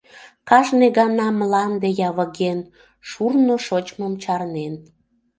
Кажне гана мланде явыген, шурно шочмым чарнен.